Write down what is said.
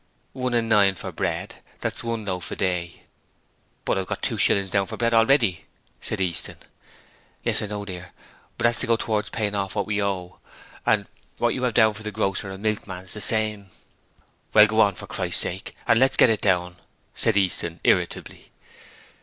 'One and nine for bread; that's one loaf a day.' 'But I've got two shillings down for bread already,' said Easton. 'Yes, I know, dear, but that's to go towards paying off what we owe, and what you have down for the grocer and milkman's the same.' 'Well, go on, for Christ's sake, and let's get it down,' said Easton, irritably.